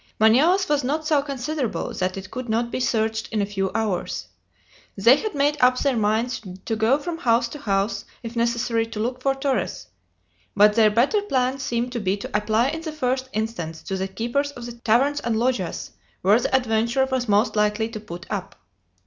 Manaos was not so considerable that it could not be searched in a few hours. They had made up their minds to go from house to house, if necessary, to look for Torres, but their better plan seemed to be to apply in the first instance to the keepers of the taverns and lojas where the adventurer was most likely to put up.